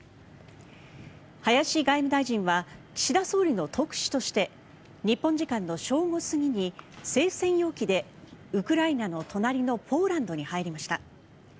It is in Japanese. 林外務大臣は岸田総理の特使として日本時間の正午過ぎに政府専用機でウクライナの隣のポーランドに入りました。